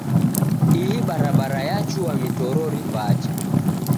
Ihi barabara yachua mitorori pacha.